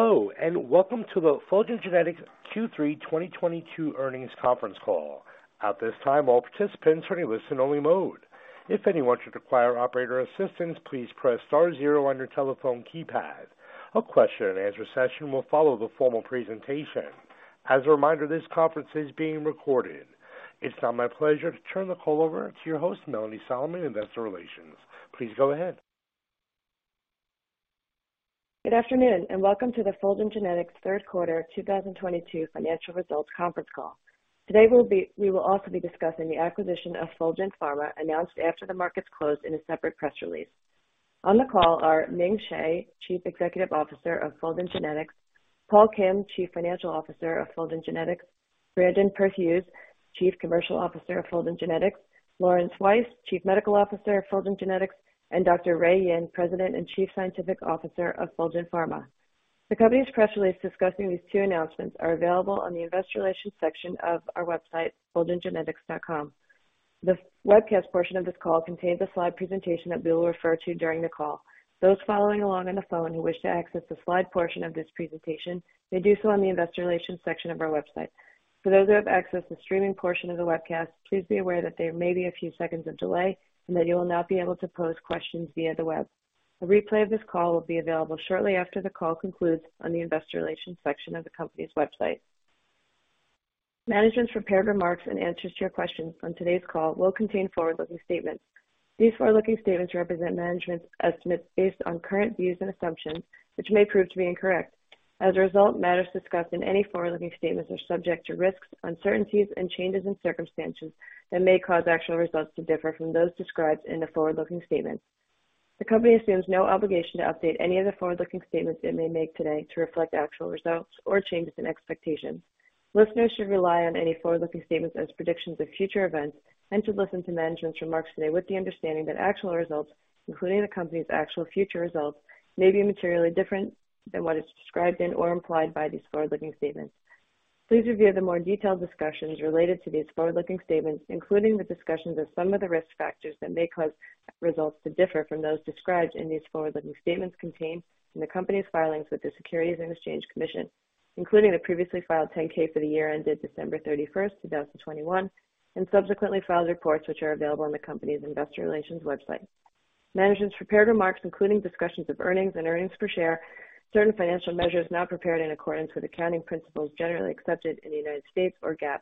Hello, and welcome to the Fulgent Genetics Q3 2022 Earnings Conference Call. At this time, all participants are in listen only mode. If anyone should require operator assistance, please press star zero on your telephone keypad. A question and answer session will follow the formal presentation. As a reminder, this conference is being recorded. It's now my pleasure to turn the call over to your host, Melanie Solomon, Investor Relations. Please go ahead. Good afternoon, and welcome to the Fulgent Genetics Third Quarter 2022 Financial Results Conference Call. Today we will also be discussing the acquisition of Fulgent Pharma, announced after the markets closed in a separate press release. On the call are Ming Hsieh, Chief Executive Officer of Fulgent Genetics, Paul Kim, Chief Financial Officer of Fulgent Genetics, Brandon Perthuis, Chief Commercial Officer of Fulgent Genetics, Lawrence Weiss, Chief Medical Officer of Fulgent Genetics, and Dr. Ray Yin, President and Chief Scientific Officer of Fulgent Pharma. The company's press release discussing these two announcements is available on the investor relations section of our website, fulgentgenetics.com. The webcast portion of this call contains a slide presentation that we will refer to during the call. Those following along on the phone who wish to access the slide portion of this presentation, may do so on the investor relations section of our website. For those who have accessed the streaming portion of the webcast, please be aware that there may be a few seconds of delay, and that you will not be able to pose questions via the web. A replay of this call will be available shortly after the call concludes on the investor relations section of the company's website. Management's prepared remarks and answers to your questions on today's call will contain forward-looking statements. These forward-looking statements represent management's estimates based on current views and assumptions, which may prove to be incorrect. As a result, matters discussed in any forward-looking statements are subject to risks, uncertainties, and changes in circumstances that may cause actual results to differ from those described in the forward-looking statement. The company assumes no obligation to update any of the forward-looking statements it may make today to reflect actual results or changes in expectations. Listeners should rely on any forward-looking statements as predictions of future events and should listen to management's remarks today with the understanding that actual results, including the company's actual future results, may be materially different than what is described in or implied by these forward-looking statements. Please review the more detailed discussions related to these forward-looking statements, including the discussions of some of the risk factors that may cause results to differ from those described in these forward-looking statements contained in the company's filings with the Securities and Exchange Commission, including the previously filed 10-K for the year ended December 31st, 2021, and subsequently filed reports which are available on the company's investor relations website. Management's prepared remarks, including discussions of earnings and earnings per share, certain financial measures not prepared in accordance with accounting principles generally accepted in the United States or GAAP.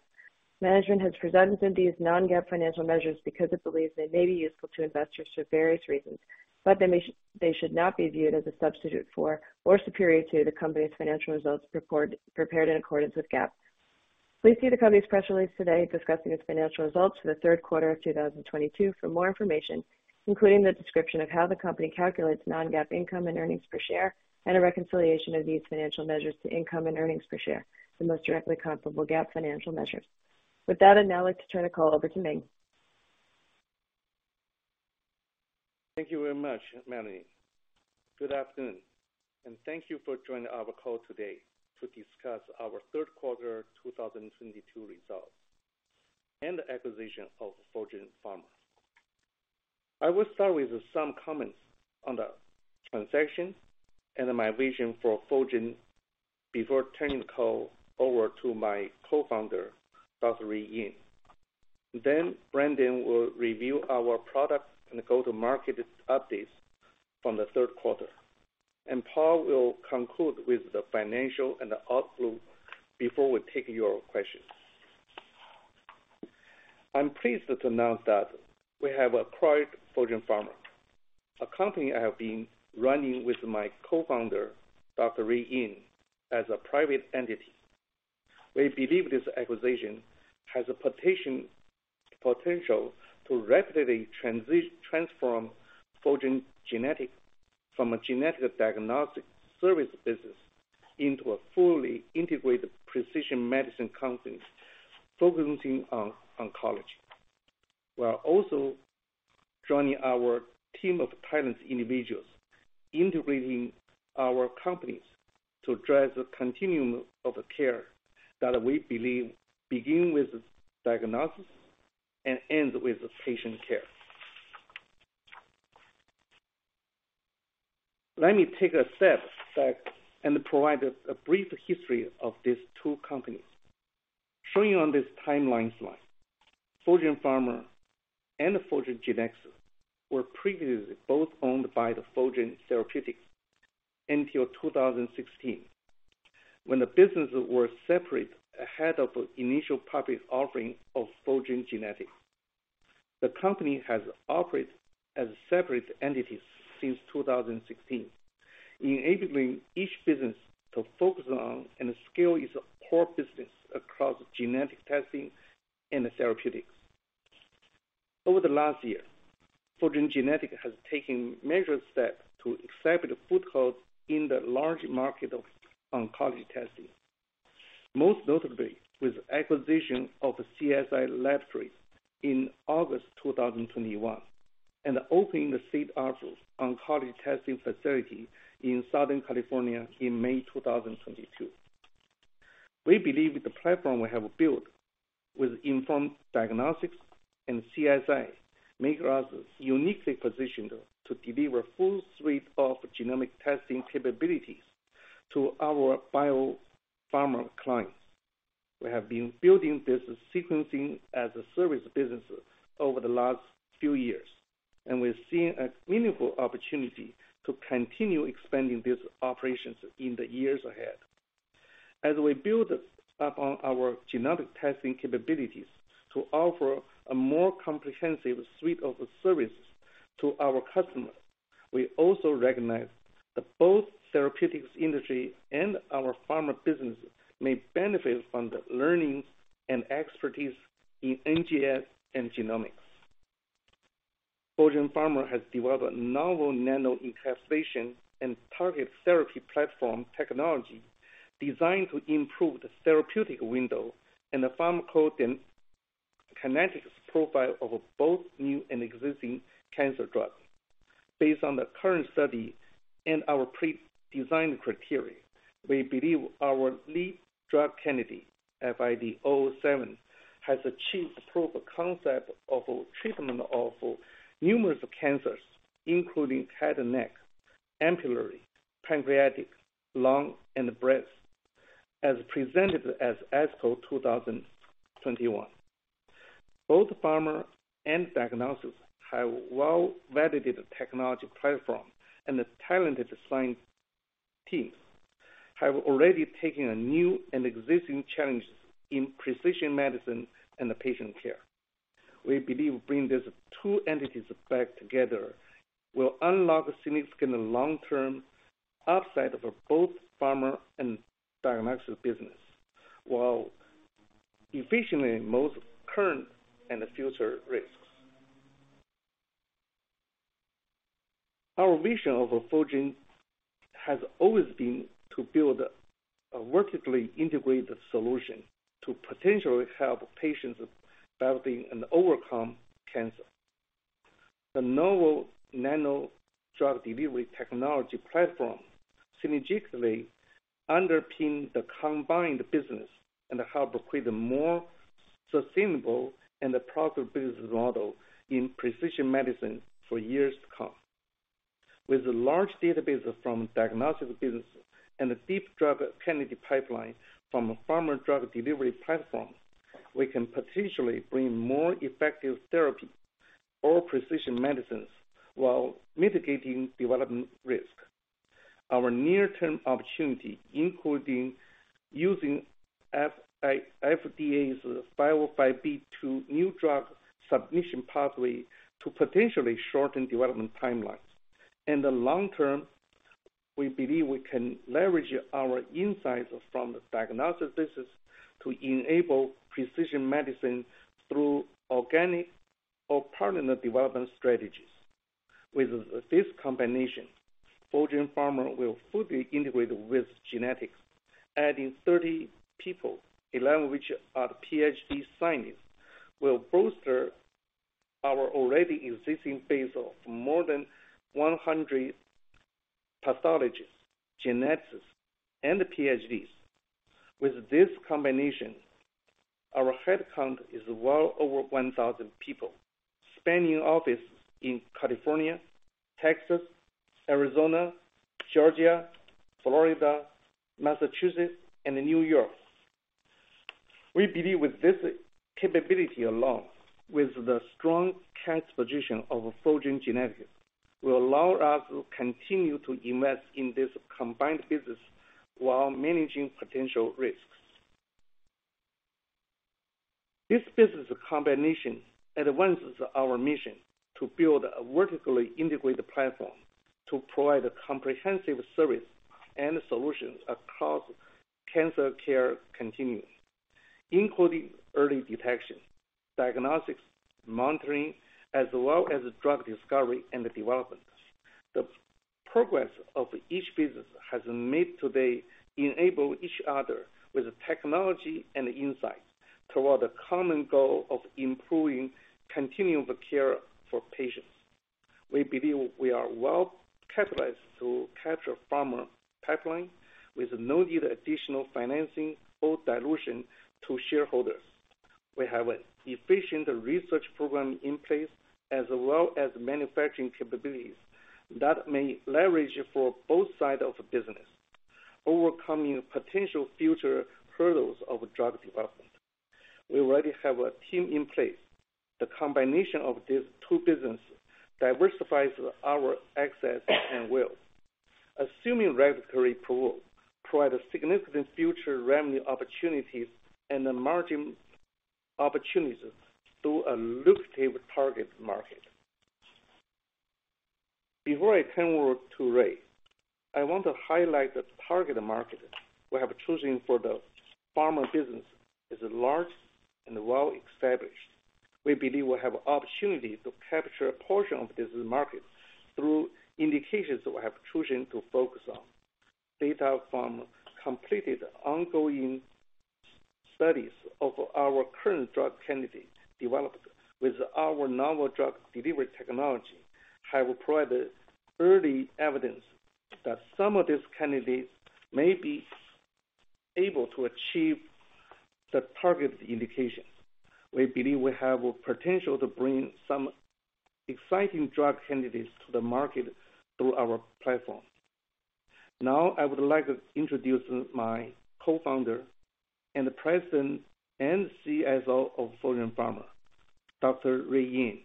Management has presented these non-GAAP financial measures because it believes they may be useful to investors for various reasons, but they should not be viewed as a substitute for or superior to the company's financial results reported in accordance with GAAP. Please see the company's press release today discussing its financial results for the third quarter of 2022 for more information, including the description of how the company calculates non-GAAP income and earnings per share, and a reconciliation of these financial measures to income and earnings per share, the most directly comparable GAAP financial measures. With that, I'd now like to turn the call over to Ming. Thank you very much, Melanie. Good afternoon, and thank you for joining our call today to discuss our third quarter 2022 results and the acquisition of Fulgent Pharma. I will start with some comments on the transaction and my vision for Fulgent before turning the call over to my co-founder, Dr. Ray Yin. Brandon will review our products and go to market updates from the third quarter. Paul will conclude with the financial and the outlook before we take your questions. I'm pleased to announce that we have acquired Fulgent Pharma, a company I have been running with my co-founder, Dr. Ray Yin, as a private entity. We believe this acquisition has a potential to rapidly transform Fulgent Genetics from a genetic diagnostic service business into a fully integrated precision medicine company focusing on oncology. We are also joining our team of talented individuals, integrating our companies to drive the continuum of care that we believe begin with diagnosis and ends with patient care. Let me take a step back and provide a brief history of these two companies. Showing you on this timeline slide, Fulgent Pharma and Fulgent Genetics were previously both owned by the Fulgent Therapeutics until 2016, when the businesses were separate ahead of initial public offering of Fulgent Genetics. The company has operated as separate entities since 2016, enabling each business to focus on and scale its core business across genetic testing and therapeutics. Over the last year, Fulgent Genetics has taken measured steps to establish a foothold in the large market of oncology testing, most notably with acquisition of CSI Laboratories in August 2021, and opening the state-of-the-art oncology testing facility in Southern California in May 2022. We believe the platform we have built with Inform Diagnostics and CSI make us uniquely positioned to deliver full suite of genomic testing capabilities to our biopharma clients. We have been building this sequencing-as-a-service business over the last few years, and we're seeing a meaningful opportunity to continue expanding these operations in the years ahead. As we build upon our genomic testing capabilities to offer a more comprehensive suite of services to our customers, we also recognize that both therapeutics industry and our pharma business may benefit from the learnings and expertise in NGS and genomics. Fulgent Pharma has developed a novel nano encapsulation and targeted therapy platform technology designed to improve the therapeutic window and the pharmacokinetic profile of both new and existing cancer drugs. Based on the current study and our pre-designed criteria, we believe our lead drug candidate, FID-007, has achieved proof of concept of treatment of numerous cancers, including head and neck, ampullary, pancreatic, lung, and breast, as presented at ASCO 2021. Both pharma and diagnostics have well-validated technology platform, and the talented science team have already taken on new and existing challenges in precision medicine and patient care. We believe bringing these two entities back together will unlock significant long-term upside for both pharma and diagnostics business, while mitigating most current and future risks. Our vision of Fulgent has always been to build a vertically integrated solution to potentially help patients battling and overcome cancer. The novel nano drug delivery technology platform synergistically underpin the combined business and help create a more sustainable and profitable business model in precision medicine for years to come. With the large database from diagnostics business and the deep drug candidate pipeline from pharma drug delivery platform, we can potentially bring more effective therapy or precision medicines while mitigating development risk. Our near-term opportunity, including using FDA's 505(b)(2) new drug submission pathway to potentially shorten development timelines. In the long term, we believe we can leverage our insights from diagnostics business to enable precision medicine through organic or partner development strategies. With this combination, Fulgent Pharma will fully integrate with genetics, adding 30 people, 11 of which are PhD scientists, will bolster our already existing base of more than 100 pathologists, geneticists, and PhDs. With this combination, our headcount is well over 1,000 people, spanning offices in California, Texas, Arizona, Georgia, Florida, Massachusetts, and New York. We believe with this capability alone, with the strong cash position of Fulgent Genetics, will allow us to continue to invest in this combined business while managing potential risks. This business combination advances our mission to build a vertically integrated platform to provide comprehensive service and solutions across cancer care continuum, including early detection, diagnostics, monitoring, as well as drug discovery and development. The progress of each business has made to date enable each other with technology and insights toward a common goal of improving continuum of care for patients. We believe we are well-capitalized to capture pharma pipeline with no need additional financing or dilution to shareholders. We have an efficient research program in place as well as manufacturing capabilities that we may leverage for both sides of the business, overcoming potential future hurdles of drug development. We already have a team in place. The combination of these two businesses diversifies our access and, assuming regulatory approval, will provide significant future revenue opportunities and margin opportunities through a lucrative target market. Before I turn over to Ray, I want to highlight that the target market we have chosen for the pharma business is large and well-established. We believe we have opportunity to capture a portion of this market through indications we have chosen to focus on. Data from completed and ongoing studies of our current drug candidates developed with our novel drug delivery technology have provided early evidence that some of these candidates may be able to achieve the target indications. We believe we have the potential to bring some exciting drug candidates to the market through our platform. Now, I would like to introduce my co-founder and the President and CSO of Fulgent Pharma, Dr. Ray Yin,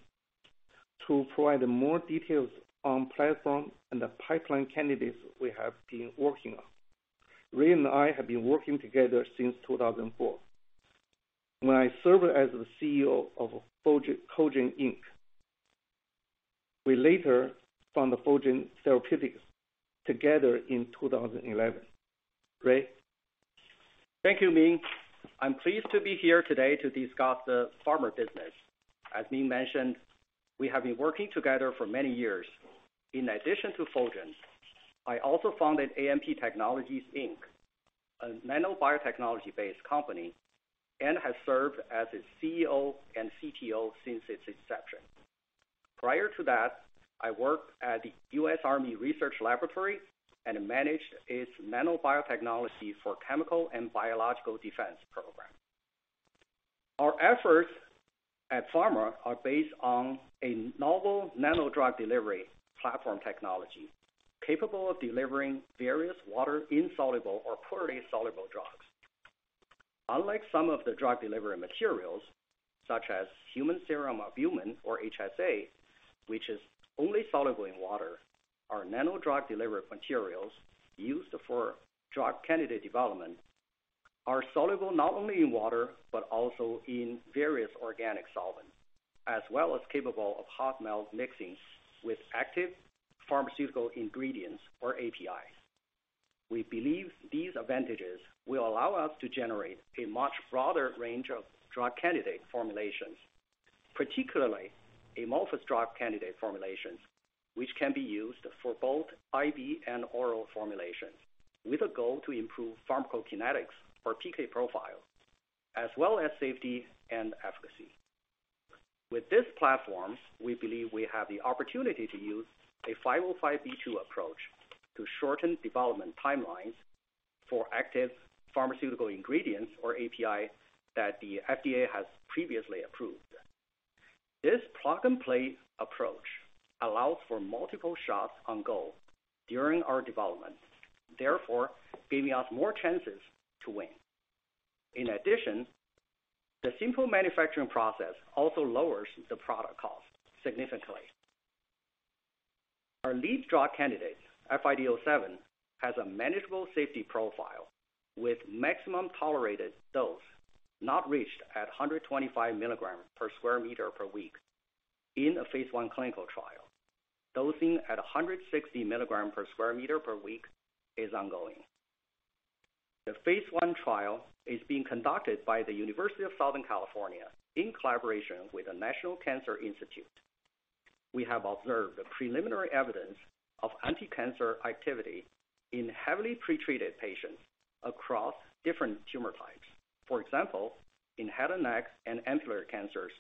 to provide more details on platform and the pipeline candidates we have been working on. Ray and I have been working together since 2004, when I served as the CEO of Fulgent Inc. We later founded Fulgent Therapeutics together in 2011. Ray. Thank you, Ming. I'm pleased to be here today to discuss the pharma business. As Ming mentioned, we have been working together for many years. In addition to Fulgent, I also founded ANP Technologies, Inc., a nanobiotechnology-based company, and have served as its CEO and CTO since its inception. Prior to that, I worked at the US Army Research Laboratory and managed its Nanobiotechnology for Chemical and Biological Defense program. Our efforts at Pharma are based on a novel nano-drug delivery platform technology, capable of delivering various water-insoluble or poorly soluble drugs. Unlike some of the drug delivery materials, such as human serum albumin or HSA, which is only soluble in water, our nano drug delivery materials used for drug candidate development are soluble not only in water but also in various organic solvents, as well as capable of hot melt mixing with active pharmaceutical ingredients or APIs. We believe these advantages will allow us to generate a much broader range of drug candidate formulations, particularly amorphous drug candidate formulations, which can be used for both IV and oral formulations, with a goal to improve pharmacokinetics or PK profile, as well as safety and efficacy. With this platform, we believe we have the opportunity to use a 505(b)(2) approach to shorten development timelines for active pharmaceutical ingredients or API that the FDA has previously approved. This plug-and-play approach allows for multiple shots on goal during our development, therefore giving us more chances to win. In addition, the simple manufacturing process also lowers the product cost significantly. Our lead drug candidate, FID-007, has a manageable safety profile with maximum tolerated dose not reached at 125 milligrams per square meter per week in a phase I clinical trial. Dosing at 160 milligrams per square meter per week is ongoing. The phase I trial is being conducted by the University of Southern California in collaboration with the National Cancer Institute. We have observed the preliminary evidence of anticancer activity in heavily pretreated patients across different tumor types. For example, in head and neck and ampullary cancers,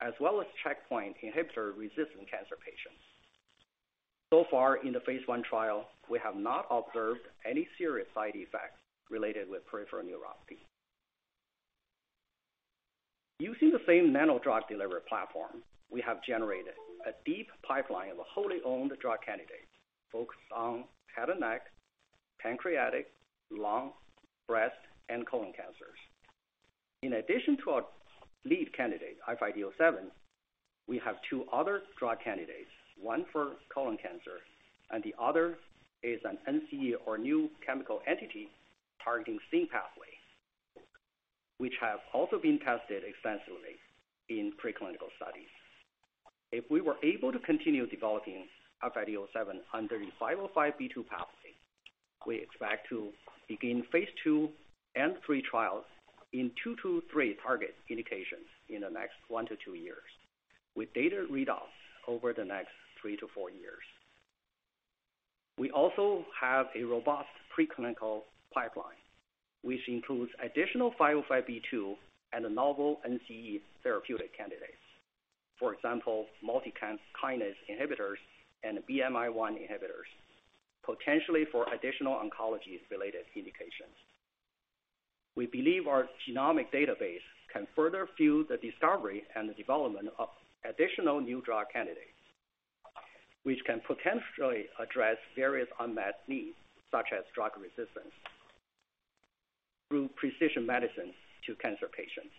as well as checkpoint inhibitor-resistant cancer patients. So far in the phase I trial, we have not observed any serious side effects related with peripheral neuropathy. Using the same nano drug delivery platform, we have generated a deep pipeline of wholly owned drug candidates focused on head and neck, pancreatic, lung, breast, and colon cancers. In addition to our lead candidate, FID-007, we have two other drug candidates, one for colon cancer and the other is an NCE or new chemical entity targeting Wnt pathway, which have also been tested extensively in preclinical studies. If we were able to continue developing FID-007 under the 505(b)(2) pathway, we expect to begin phase II and III trials in 2-3 target indications in the next 1-2 years, with data readouts over the next 3-4 years. We also have a robust preclinical pipeline, which includes additional 505(b)(2) and novel NCE therapeutic candidates. For example, multi-kinase inhibitors and BMI-1 inhibitors, potentially for additional oncology-related indications. We believe our genomic database can further fuel the discovery and the development of additional new drug candidates, which can potentially address various unmet needs, such as drug resistance, through precision medicine to cancer patients,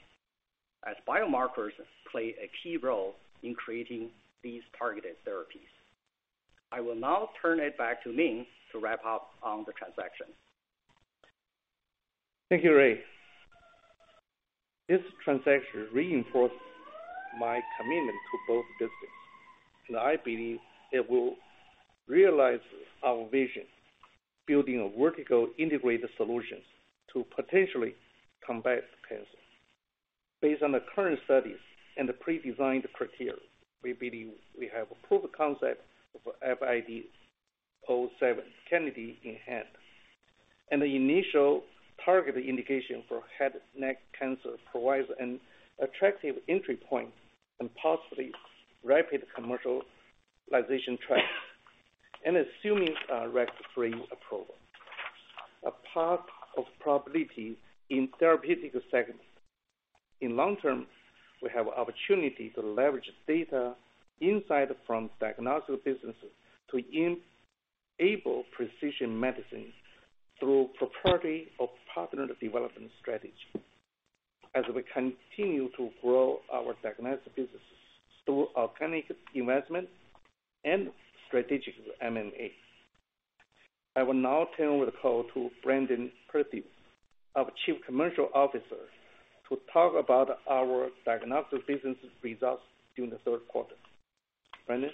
as biomarkers play a key role in creating these targeted therapies. I will now turn it back to Ming to wrap up on the transaction. Thank you, Ray. This transaction reinforces my commitment to both businesses, and I believe it will realize our vision, building vertically integrated solutions to potentially combat cancer. Based on the current studies and the pre-designed criteria, we believe we have a proof of concept of FID-007 candidate in hand, and the initial targeted indication for head and neck cancer provides an attractive entry point and possibly rapid commercialization track. Assuming regulatory approval, a pathway to profitability in therapeutic segments. In long term, we have opportunity to leverage insights from diagnostic businesses to enable precision medicine through proprietary or partnered development strategy as we continue to grow our diagnostic businesses through organic investment and strategic M&A. I will now turn the call to Brandon Perthuis, our Chief Commercial Officer, to talk about our diagnostic business results during the third quarter. Brandon?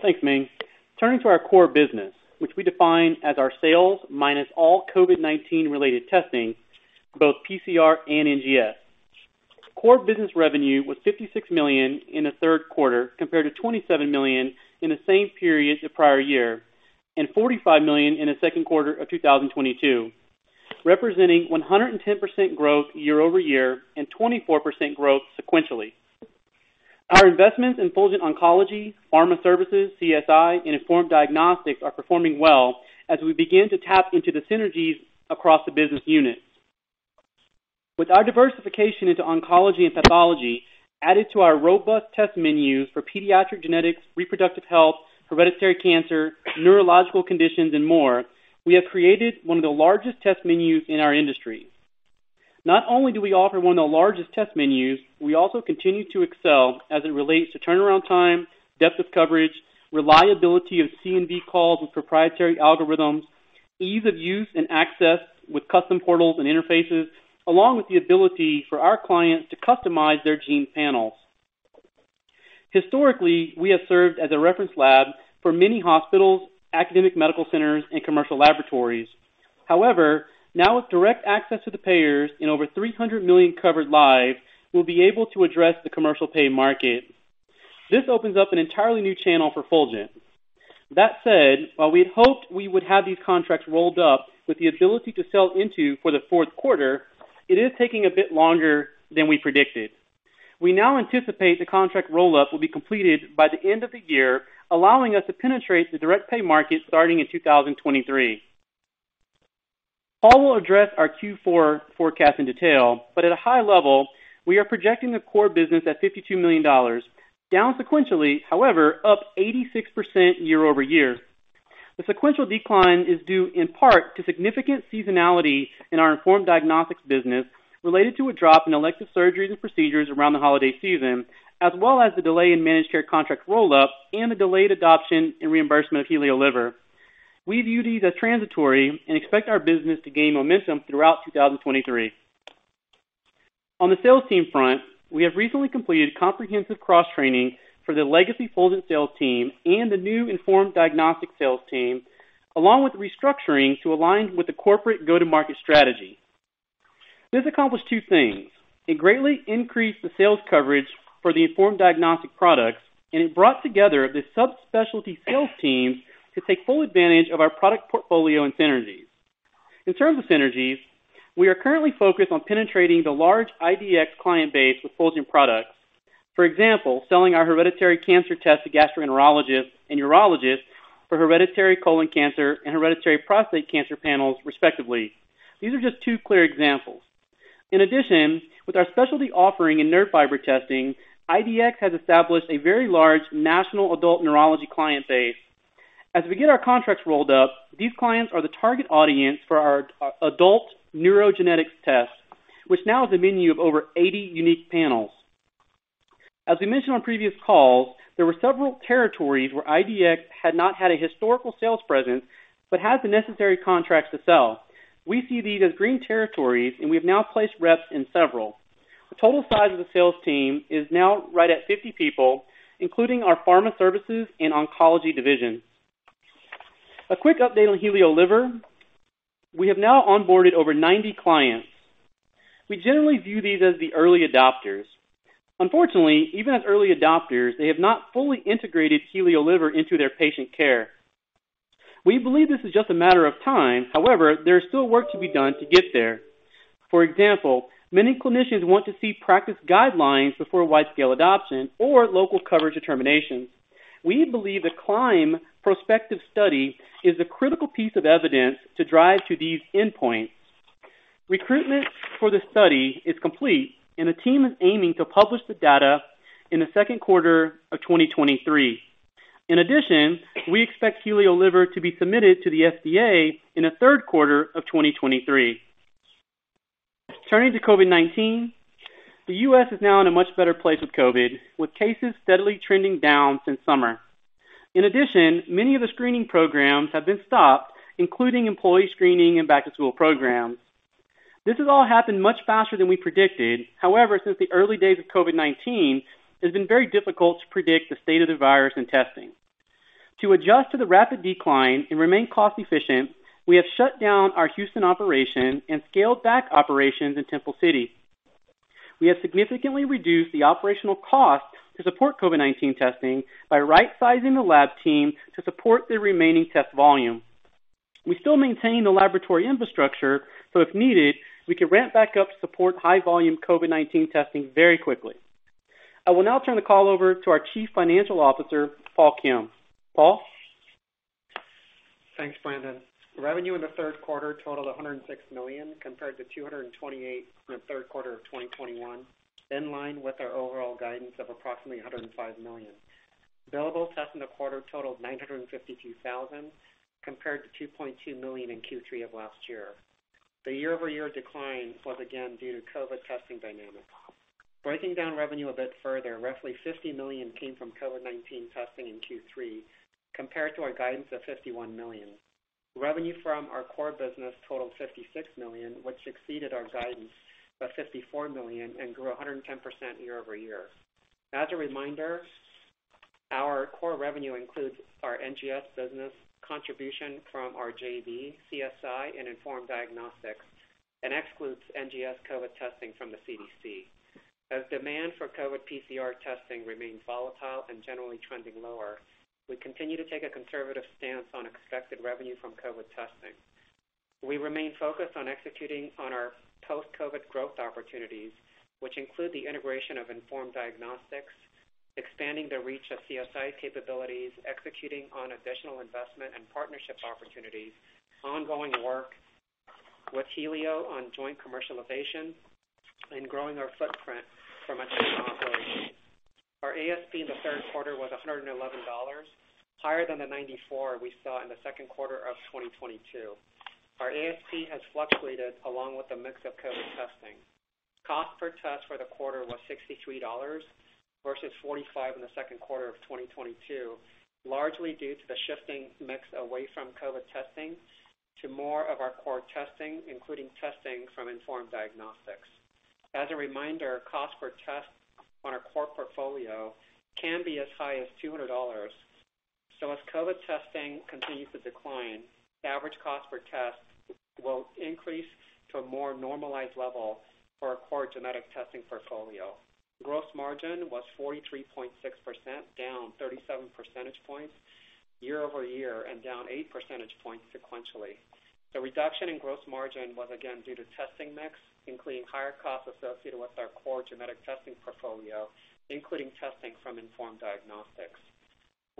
Thanks, Ming. Turning to our core business, which we define as our sales minus all COVID-19 related testing, both PCR and NGS. Core business revenue was $56 million in the third quarter, compared to $27 million in the same period the prior year, and $45 million in the second quarter of 2022, representing 110% growth year-over-year and 24% growth sequentially. Our investments in Fulgent Oncology, Pharma Services, CSI, and Inform Diagnostics are performing well as we begin to tap into the synergies across the business units. With our diversification into oncology and pathology, added to our robust test menus for pediatric genetics, reproductive health, hereditary cancer, neurological conditions and more, we have created one of the largest test menus in our industry. Not only do we offer one of the largest test menus, we also continue to excel as it relates to turnaround time, depth of coverage, reliability of CNV calls with proprietary algorithms, ease of use and access with custom portals and interfaces, along with the ability for our clients to customize their gene panels. Historically, we have served as a reference lab for many hospitals, academic medical centers, and commercial laboratories. However, now with direct access to the payers in over 300 million covered lives, we'll be able to address the commercial pay market. This opens up an entirely new channel for Fulgent. That said, while we had hoped we would have these contracts rolled up with the ability to sell into for the fourth quarter, it is taking a bit longer than we predicted. We now anticipate the contract roll-up will be completed by the end of the year, allowing us to penetrate the direct pay market starting in 2023. Paul will address our Q4 forecast in detail, but at a high level, we are projecting the core business at $52 million, down sequentially. However, up 86% year-over-year. The sequential decline is due in part to significant seasonality in our Inform Diagnostics business related to a drop in elective surgeries and procedures around the holiday season, as well as the delay in managed care contracts roll-up and the delayed adoption and reimbursement of HelioLiver. We view these as transitory and expect our business to gain momentum throughout 2023. On the sales team front, we have recently completed comprehensive cross-training for the legacy Fulgent sales team and the new Inform Diagnostics sales team, along with restructuring to align with the corporate go-to-market strategy. This accomplished two things. It greatly increased the sales coverage for the Inform Diagnostics products, and it brought together the subspecialty sales teams to take full advantage of our product portfolio and synergies. In terms of synergies, we are currently focused on penetrating the large IDX client base with Fulgent products. For example, selling our hereditary cancer test to gastroenterologists and urologists for hereditary colon cancer and hereditary prostate cancer panels, respectively. These are just two clear examples. In addition, with our specialty offering in nerve fiber testing, IDX has established a very large national adult neurology client base. As we get our contracts rolled up, these clients are the target audience for our adult neurogenetic tests, which now is a menu of over 80 unique panels. As we mentioned on previous calls, there were several territories where we had not had a historical sales presence but had the necessary contracts to sell. We see these as green territories, and we have now placed reps in several. The total size of the sales team is now right at 50 people, including our pharma services and oncology divisions. A quick update on HelioLiver. We have now onboarded over 90 clients. We generally view these as the early adopters. Unfortunately, even as early adopters, they have not fully integrated HelioLiver into their patient care. We believe this is just a matter of time. However, there is still work to be done to get there. For example, many clinicians want to see practice guidelines before wide-scale adoption or local coverage determinations. We believe the CLiMB prospective study is the critical piece of evidence to drive to these endpoints. Recruitment for the study is complete, and the team is aiming to publish the data in the second quarter of 2023. In addition, we expect HelioLiver to be submitted to the FDA in the third quarter of 2023. Turning to COVID-19, the U.S. is now in a much better place with COVID, with cases steadily trending down since summer. In addition, many of the screening programs have been stopped, including employee screening and back-to-school programs. This has all happened much faster than we predicted. However, since the early days of COVID-19, it has been very difficult to predict the state of the virus and testing. To adjust to the rapid decline and remain cost efficient, we have shut down our Houston operation and scaled back operations in Temple City. We have significantly reduced the operational costs to support COVID-19 testing by rightsizing the lab team to support the remaining test volume. We still maintain the laboratory infrastructure, so if needed, we can ramp back up to support high volume COVID-19 testing very quickly. I will now turn the call over to our Chief Financial Officer, Paul Kim. Paul? Thanks, Brandon. Revenue in the third quarter totaled $106 million, compared to $228 million in the third quarter of 2021, in line with our overall guidance of approximately $105 million. Billable tests in the quarter totaled 952,000, compared to 2.2 million in Q3 of last year. The year-over-year decline was again due to COVID testing dynamics. Breaking down revenue a bit further, roughly $50 million came from COVID-19 testing in Q3, compared to our guidance of $51 million. Revenue from our core business totaled $56 million, which exceeded our guidance by $54 million and grew 110% year-over-year. As a reminder, our core revenue includes our NGS business contribution from our JV, CSI, and Inform Diagnostics, and excludes NGS COVID testing from the CDC. As demand for COVID PCR testing remains volatile and generally trending lower, we continue to take a conservative stance on expected revenue from COVID testing. We remain focused on executing on our post-COVID growth opportunities, which include the integration of Inform Diagnostics, expanding the reach of CSI capabilities, executing on additional investment and partnership opportunities, ongoing work with Helio on joint commercialization, and growing our footprint from a technology. Our ASP in the third quarter was $111, higher than the $94 we saw in the second quarter of 2022. Our ASP has fluctuated along with the mix of COVID testing. Cost per test for the quarter was $63 versus $45 in the second quarter of 2022, largely due to the shifting mix away from COVID testing to more of our core testing, including testing from Inform Diagnostics. As a reminder, cost per test on our core portfolio can be as high as $200. As COVID testing continues to decline, average cost per test will increase to a more normalized level for our core genetic testing portfolio. Gross margin was 43.6%, down 37 percentage points year-over-year and down 8 percentage points sequentially. The reduction in gross margin was again due to testing mix, including higher costs associated with our core genetic testing portfolio, including testing from Inform Diagnostics.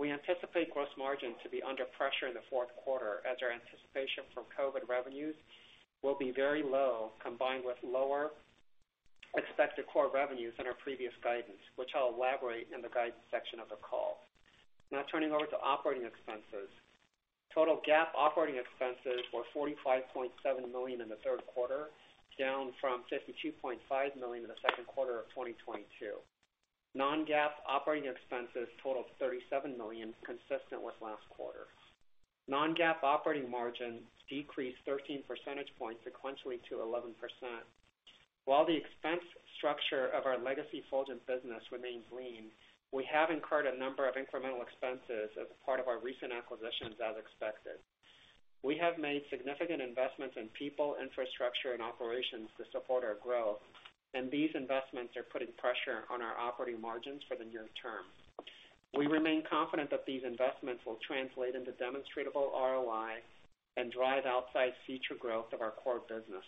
We anticipate gross margin to be under pressure in the fourth quarter as our anticipation from COVID revenues will be very low, combined with lower expected core revenues in our previous guidance, which I'll elaborate in the guidance section of the call. Now turning over to operating expenses. Total GAAP operating expenses were $45.7 million in the third quarter, down from $52.5 million in the second quarter of 2022. Non-GAAP operating expenses totaled $37 million, consistent with last quarter. Non-GAAP operating margins decreased 13 percentage points sequentially to 11%. While the expense structure of our legacy Fulgent business remains lean, we have incurred a number of incremental expenses as a part of our recent acquisitions, as expected. We have made significant investments in people, infrastructure and operations to support our growth, and these investments are putting pressure on our operating margins for the near term. We remain confident that these investments will translate into demonstrable ROI and drive outsized future growth of our core business.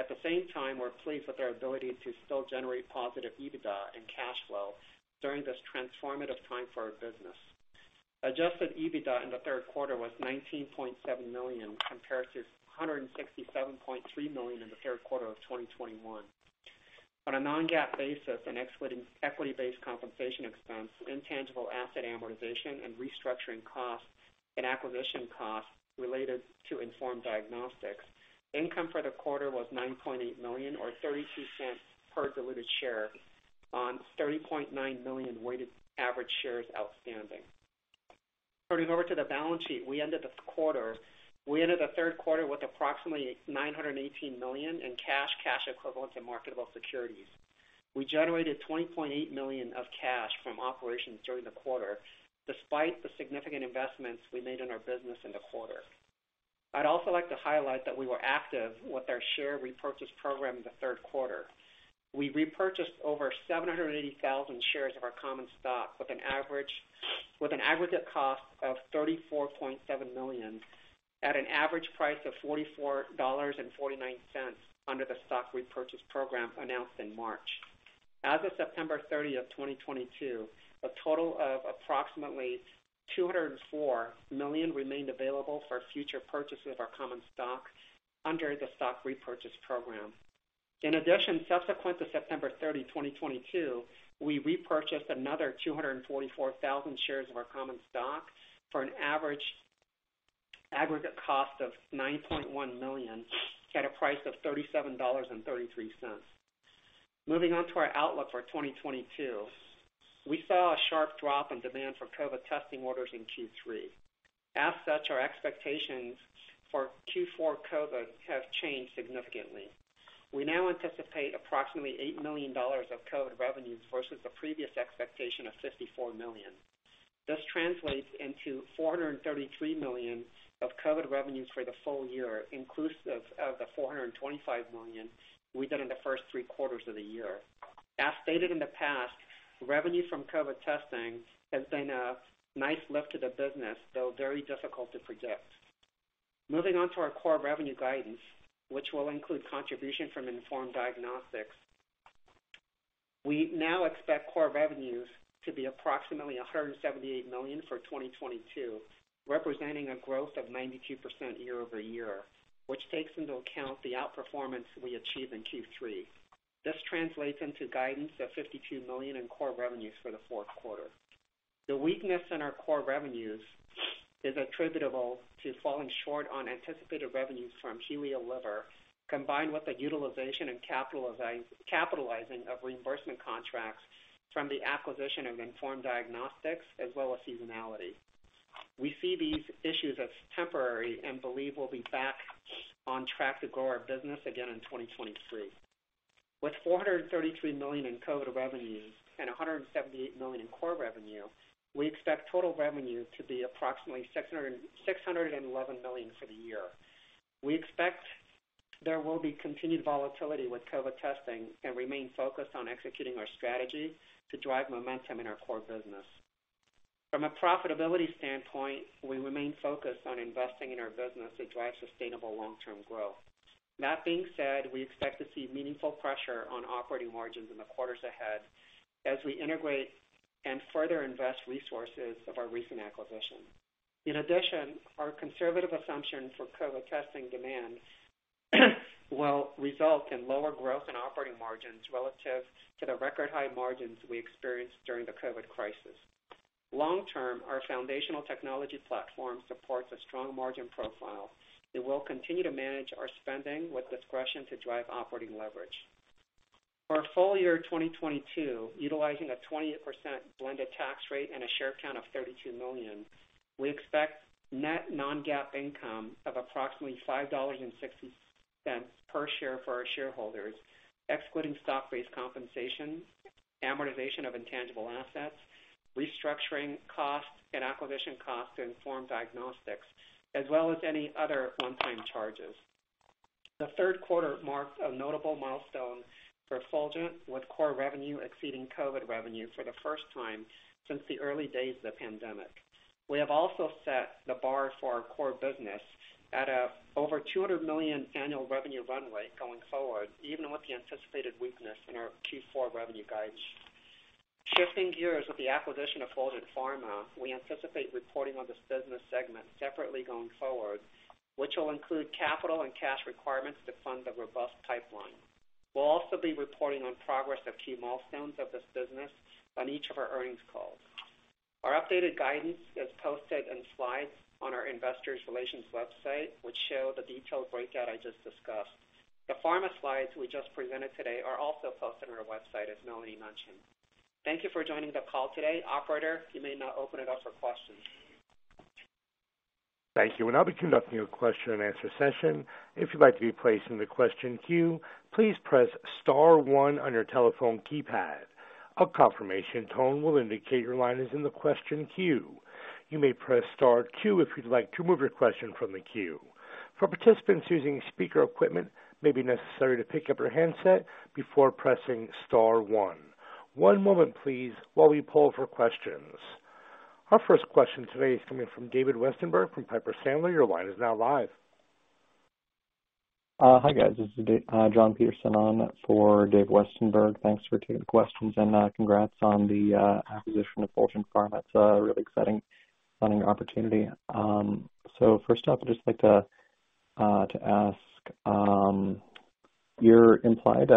At the same time, we're pleased with our ability to still generate positive EBITDA and cash flow during this transformative time for our business. Adjusted EBITDA in the third quarter was $19.7 million, compared to $167.3 million in the third quarter of 2021. On a non-GAAP basis and excluding equity-based compensation expense, intangible asset amortization, and restructuring costs and acquisition costs related to Inform Diagnostics, income for the quarter was $9.8 million or $0.32 per diluted share on 30.9 million weighted average shares outstanding. Turning over to the balance sheet, we ended the third quarter with approximately $918 million in cash equivalents and marketable securities. We generated $20.8 million of cash from operations during the quarter, despite the significant investments we made in our business in the quarter. I'd also like to highlight that we were active with our share repurchase program in the third quarter. We repurchased over 780,000 shares of our common stock with an aggregate cost of $34.7 million at an average price of $44.49 under the stock repurchase program announced in March. As of September 30th, 2022, a total of approximately $204 million remained available for future purchases of our common stock under the stock repurchase program. In addition, subsequent to September 30, 2022, we repurchased another 244,000 shares of our common stock for an average aggregate cost of $9.1 million at a price of $37.33. Moving on to our outlook for 2022. We saw a sharp drop in demand for COVID testing orders in Q3. As such, our expectations for Q4 COVID have changed significantly. We now anticipate approximately $8 million of COVID revenues versus the previous expectation of $54 million. This translates into $433 million of COVID revenues for the full year, inclusive of the $425 million we did in the first three quarters of the year. As stated in the past, revenue from COVID testing has been a nice lift to the business, though very difficult to predict. Moving on to our core revenue guidance, which will include contribution from Inform Diagnostics. We now expect core revenues to be approximately $178 million for 2022, representing a growth of 92% year-over-year, which takes into account the outperformance we achieved in Q3. This translates into guidance of $52 million in core revenues for the fourth quarter. The weakness in our core revenues is attributable to falling short on anticipated revenues from HelioLiver, combined with the utilization and capitalizing of reimbursement contracts from the acquisition of Inform Diagnostics, as well as seasonality. We see these issues as temporary and believe we'll be back on track to grow our business again in 2023. With $433 million in COVID revenues and $178 million in core revenue, we expect total revenue to be approximately $611 million for the year. We expect there will be continued volatility with COVID testing and remain focused on executing our strategy to drive momentum in our core business. From a profitability standpoint, we remain focused on investing in our business to drive sustainable long-term growth. That being said, we expect to see meaningful pressure on operating margins in the quarters ahead as we integrate and further invest resources of our recent acquisition. In addition, our conservative assumption for COVID testing demand will result in lower growth and operating margins relative to the record high margins we experienced during the COVID crisis. Long term, our foundational technology platform supports a strong margin profile, and we'll continue to manage our spending with discretion to drive operating leverage. For our full year 2022, utilizing a 28% blended tax rate and a share count of 32 million, we expect net non-GAAP income of approximately $5.60 per share for our shareholders, excluding stock-based compensation, amortization of intangible assets, restructuring costs and acquisition costs in Inform Diagnostics, as well as any other one-time charges. The third quarter marked a notable milestone for Fulgent, with core revenue exceeding COVID revenue for the first time since the early days of the pandemic. We have also set the bar for our core business at over $200 million annual revenue runway going forward, even with the anticipated weakness in our Q4 revenue guidance. Shifting gears with the acquisition of Fulgent Pharma, we anticipate reporting on this business segment separately going forward, which will include capital and cash requirements to fund the robust pipeline. We'll also be reporting on progress of key milestones of this business on each of our earnings calls. Our updated guidance is posted in slides on our investor relations website, which show the detailed breakout I just discussed. The pharma slides we just presented today are also posted on our website, as Melanie mentioned. Thank you for joining the call today. Operator, you may now open it up for questions. Thank you. I'll be conducting a question and answer session. If you'd like to be placed in the question queue, please press star one on your telephone keypad. A confirmation tone will indicate your line is in the question queue. You may press star two if you'd like to remove your question from the queue. For participants using speaker equipment, it may be necessary to pick up your handset before pressing star one. One moment, please while we poll for questions. Our first question today is coming from David Westenberg from Piper Sandler. Your line is now live. Hi, guys. This is John Peterson on for David Westenberg. Thanks for taking the questions and congrats on the acquisition of Fulgent Pharma. It's a really exciting funding opportunity. First off, I'd just like to ask your implied,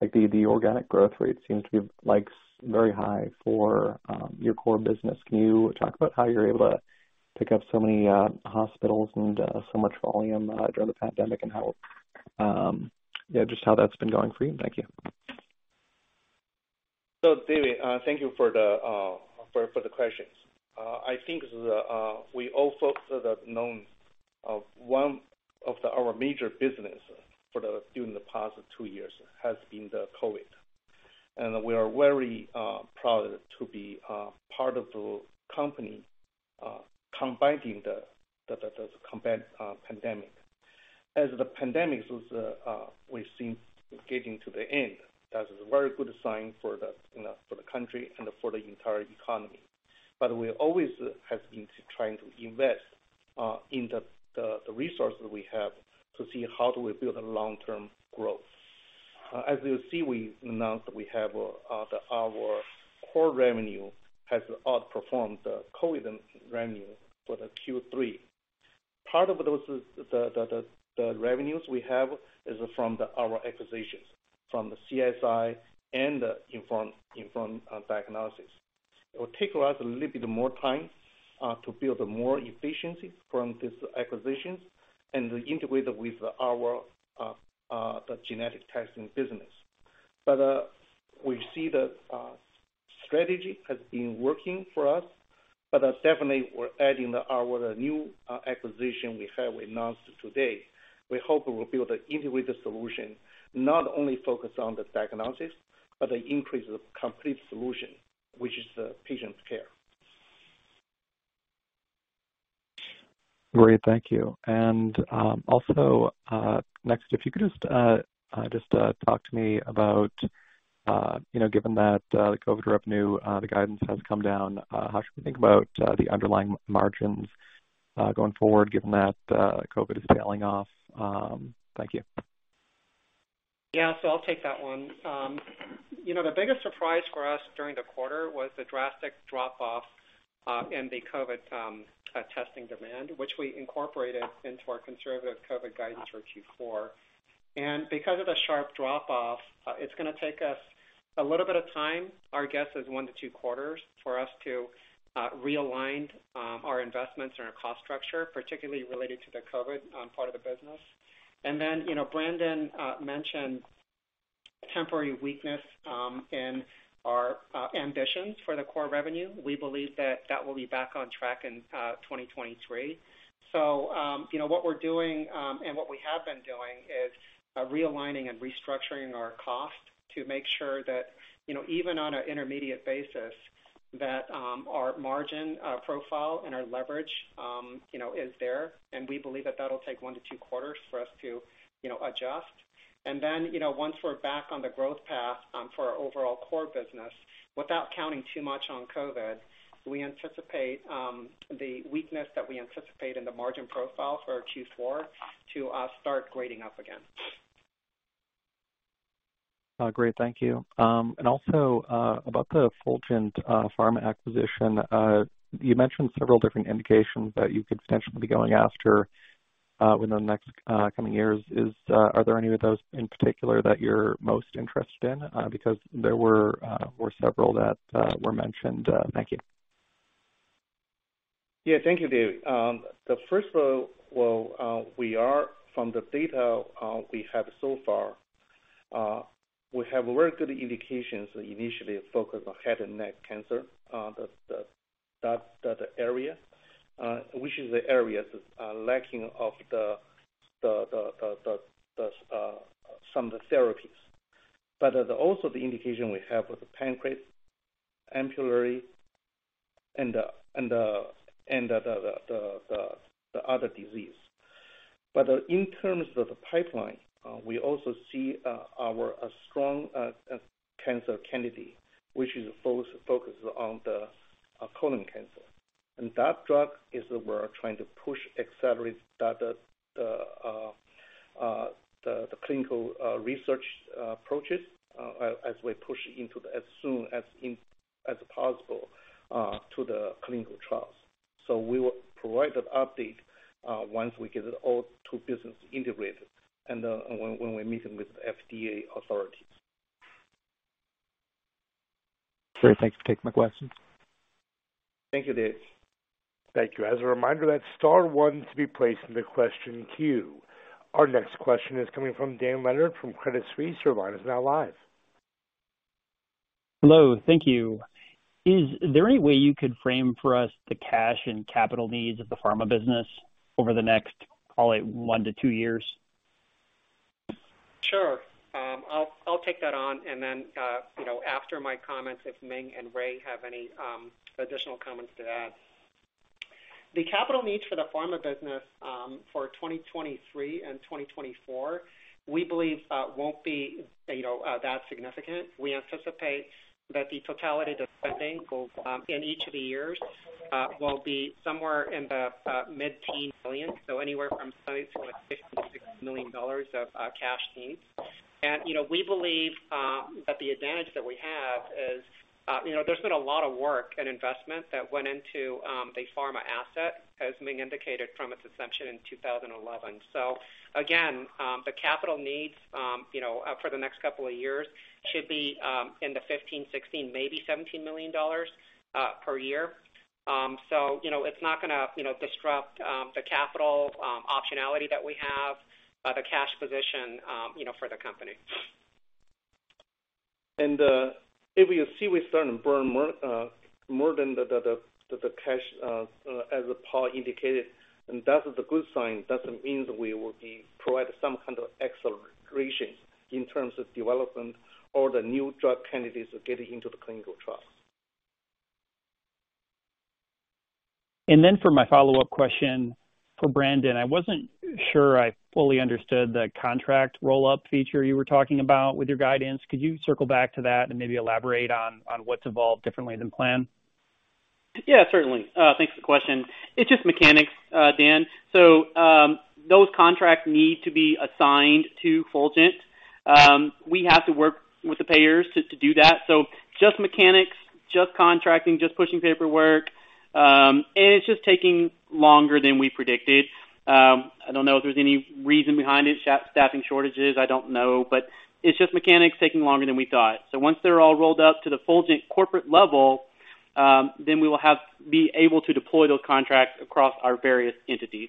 like the organic growth rate seems to be, like, very high for your core business. Can you talk about how you're able to pick up so many hospitals and so much volume during the pandemic and how, yeah, just how that's been going for you? Thank you. David, thank you for the questions. I think we also sort of know one of our major businesses during the past two years has been the COVID. We are very proud to be part of the company combating the pandemic. As the pandemic we've seen is getting to the end, that is a very good sign for the, you know, for the country and for the entire economy. We always have been trying to invest in the resources we have to see how we build a long-term growth. As you see, we announced our core revenue has outperformed the COVID revenue for the Q3. Part of those, the revenues we have is from our acquisitions from the CSI and the Inform Diagnostics. It will take us a little bit more time to build more efficiency from these acquisitions and integrate it with our genetic testing business. We see that strategy has been working for us, but definitely we're adding our new acquisition we have announced today. We hope it will build an integrated solution, not only focused on the diagnosis, but an increase of complete solution, which is the patient's care. Great. Thank you. Also, next, if you could just talk to me about, you know, given that the COVID revenue, the guidance has come down, how should we think about the underlying margins going forward, given that COVID is trailing off? Thank you. Yeah. I'll take that one. You know, the biggest surprise for us during the quarter was the drastic drop-off in the COVID testing demand, which we incorporated into our conservative COVID guidance for Q4. Because of the sharp drop-off, it's gonna take us a little bit of time, our guess is one to two quarters, for us to realign our investments and our cost structure, particularly related to the COVID part of the business. Then, you know, Brandon mentioned temporary weakness in our ambitions for the core revenue. We believe that that will be back on track in 2023. You know, what we're doing and what we have been doing is realigning and restructuring our cost to make sure that, you know, even on an intermediate basis, that our margin profile and our leverage, you know, is there. We believe that that'll take 1-2 quarters for us to, you know, adjust. Then, you know, once we're back on the growth path for our overall core business, without counting too much on COVID, we anticipate the weakness that we anticipate in the margin profile for our Q4 to start grading up again. Great. Thank you. Also, about the Fulgent Pharma acquisition, you mentioned several different indications that you could potentially be going after within the next coming years. Are there any of those in particular that you're most interested in? Because there were several that were mentioned. Thank you. Yeah. Thank you, Dave. From the data we have so far, we have very good indications initially focused on head and neck cancer, that area, which is the areas that are lacking in some of the therapies. Also the indication we have with the pancreas, ampullary and the other disease. In terms of the pipeline, we also see our strong cancer candidate, which is focused on the colon cancer. That drug, we're trying to push accelerate the clinical research approaches as we push into clinical trials as soon as possible. We will provide an update once we get it all to business integrated and when we're meeting with FDA authorities. Great. Thanks for taking my questions. Thank you, David. Thank you. As a reminder, that's star one to be placed in the question queue. Our next question is coming from Dan Leonard from Credit Suisse. Your line is now live. Hello. Thank you. Is there any way you could frame for us the cash and capital needs of the pharma business over the next, call it 1-2 years? Sure. I'll take that on. Then, you know, after my comments, if Ming and Ray have any additional comments to add. The capital needs for the pharma business for 2023 and 2024, we believe, won't be, you know, that significant. We anticipate that the totality of spending will in each of the years will be somewhere in the mid-teen million. So anywhere from say, like, $50-$60 million of cash needs. You know, we believe that the advantage that we have is, you know, there's been a lot of work and investment that went into the pharma asset, as Ming indicated, from its inception in 2011. Again, the capital needs, you know, for the next couple of years should be in the $15, $16, maybe $17 million per year. You know, it's not gonna, you know, disrupt the capital optionality that we have, the cash position, you know, for the company. If you see we start to burn more than the cash, as Paul indicated, and that is a good sign. That means we will be provide some kind of acceleration in terms of development or the new drug candidates getting into the clinical trials. For my follow-up question for Brandon, I wasn't sure I fully understood the contract roll-up feature you were talking about with your guidance. Could you circle back to that and maybe elaborate on what's evolved differently than planned? Yeah, certainly. Thanks for the question. It's just mechanics, Dan. Those contracts need to be assigned to Fulgent. We have to work with the payers to do that. Just mechanics, just contracting, just pushing paperwork, and it's just taking longer than we predicted. I don't know if there's any reason behind it, staffing shortages, I don't know. It's just mechanics taking longer than we thought. Once they're all rolled up to the Fulgent corporate level, then we will be able to deploy those contracts across our various entities.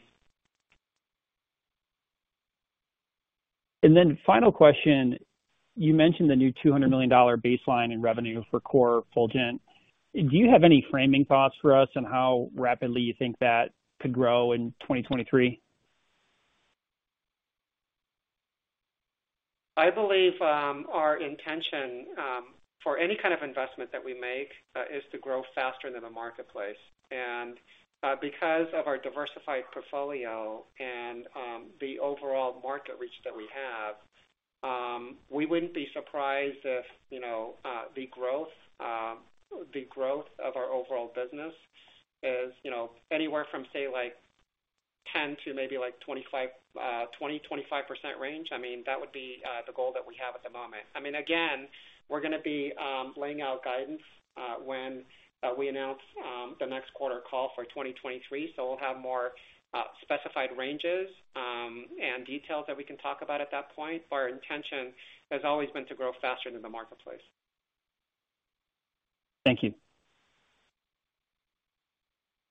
Final question. You mentioned the new $200 million baseline in revenue for core Fulgent. Do you have any framing thoughts for us on how rapidly you think that could grow in 2023? I believe our intention for any kind of investment that we make is to grow faster than the marketplace. Because of our diversified portfolio and the overall market reach that we have, we wouldn't be surprised if, you know, the growth of our overall business is, you know, anywhere from, say, like, 10% to maybe like, 25% range. I mean, that would be the goal that we have at the moment. I mean, again, we're gonna be laying out guidance when we announce the next quarter call for 2023. We'll have more specified ranges and details that we can talk about at that point. Our intention has always been to grow faster than the marketplace. Thank you.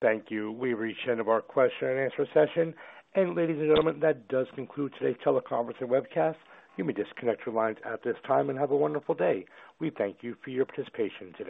Thank you. We've reached the end of our question and answer session. Ladies and gentlemen, that does conclude today's teleconference and webcast. You may disconnect your lines at this time and have a wonderful day. We thank you for your participation today.